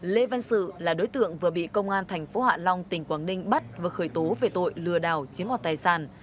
lê văn sự là đối tượng vừa bị công an thành phố hạ long tỉnh quảng ninh bắt và khởi tố về tội lừa đảo chiếm hoạt tài sản